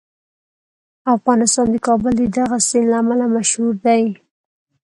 افغانستان د کابل د دغه سیند له امله مشهور دی.